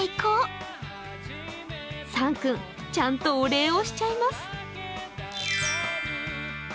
サン君、ちゃんとお礼をしちゃいます。